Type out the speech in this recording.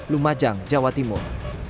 lumajang jawa timur